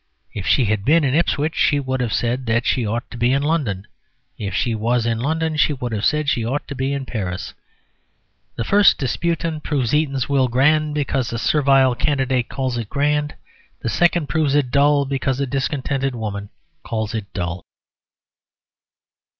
If she had been in Ipswich she would have said that she ought to be in London. If she was in London she would have said that she ought to be in Paris. The first disputant proves Eatanswill grand because a servile candidate calls it grand. The second proves it dull because a discontented woman calls it dull.